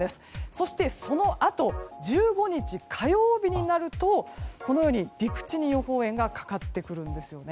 そして、そのあと１５日火曜日になると陸地に予報円がかかってくるんです。